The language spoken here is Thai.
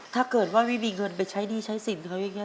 ถ้าเกิดว่าไม่มีเงินไปใช้ดีใช้สินเค้ายังไง